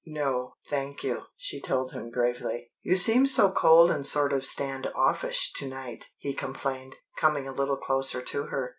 "No, thank you," she told him gravely. "You seem so cold and sort of stand offish to night," he complained, coming a little closer to her.